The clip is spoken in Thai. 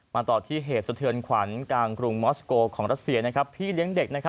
มาต่อที่เหตุสเถินขวัญกลางกรุงค์ม็อสโก้ของรัฐเสียที่เลี้ยงเด็ก